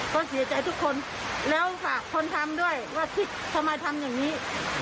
ก็เสียใจทุกคนแล้วฝากคนทำด้วยว่าคิดทำไมทำอย่างนี้